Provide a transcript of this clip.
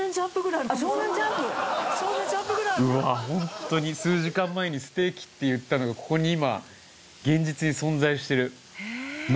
ホントに数時間前に「ステーキ」って言ったのがここに今現実に存在してる。